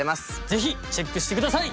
ぜひチェックして下さい！